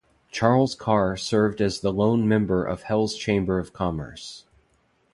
Charles Carr served as the lone member of Hell's Chamber of Commerce.